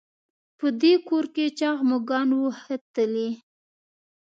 په دې کور کې چاغ مږان وو ښه تلي.